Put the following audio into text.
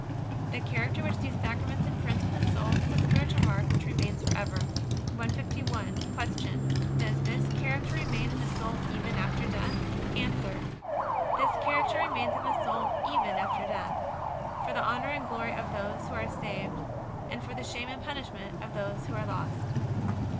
The character which these Sacraments imprint in the soul is a spiritual mark which remains forever. 151. Q. Does this character remain in the soul even after death? A. This character remains in the soul even after death: for the honor and glory of those who are saved; for the shame and punishment of those who are lost.